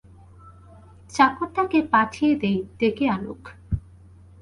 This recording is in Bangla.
চাকরটাকে পাঠিয়ে দিই, ডেকে আনুক।